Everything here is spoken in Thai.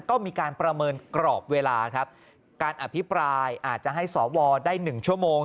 ก็มีการประเมินกรอบเวลาครับการอภิปรายอาจจะให้สวได้๑ชั่วโมง